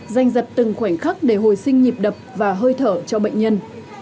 danh giật từng khoảnh khắc để hồi sinh nhịp đập và hơi thở cho bệnh nhân